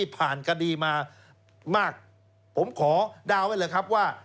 ผมขอดาวไว้เลยครับว่า